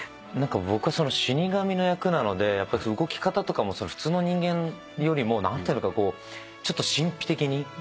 僕は死に神の役なので動き方とかも普通の人間よりも何ていうのかちょっと神秘的に。